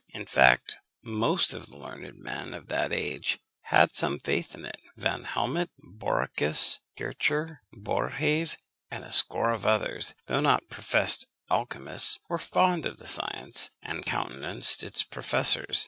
In fact, most of the learned men of that age had some faith in it. Van Helmont, Borrichius, Kircher, Boerhaave, and a score of others, though not professed alchymists, were fond of the science, and countenanced its professors.